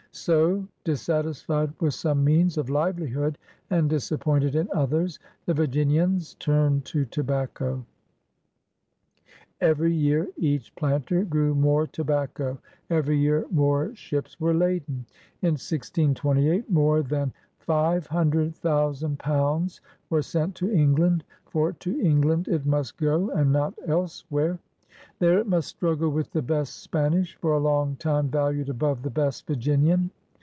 '' So> dissatisfied with some means of livelihood and disappointed in others, the Virginians turned to tobacco. Every year each planter grew more tobacco; every year more ships were laden. In 1628 more than five hundred thousand pounds were sent to England, for to England it must go, and not else* where. There it must struggle with the best Span ish, for a long time valued above the best Virginian.